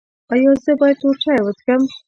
ایا زه باید تور چای وڅښم؟